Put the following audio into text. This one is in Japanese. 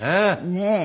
ねえ。